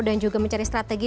dan juga mencari strategi